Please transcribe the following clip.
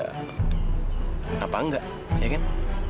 kenapa enggak ya kan